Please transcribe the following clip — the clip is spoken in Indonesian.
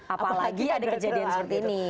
apalagi ada kejadian seperti ini